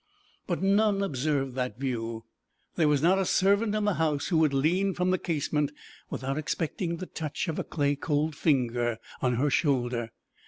But none observed that view. There was not a servant in the house who would lean from the casement without expecting the touch of a clay cold finger on her shoulder.